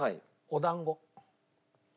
お団子。